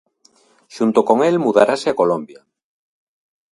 Xunto con el mudarase a Colombia.